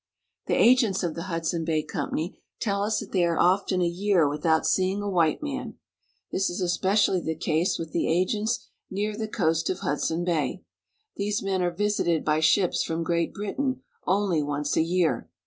The agents of the Hudson Bay Company tell us that they are often a year without seeing a white man. This is especially the case with the agents near the coast of Hudson Bay. These men are visited by ships from Great Britain only once a year.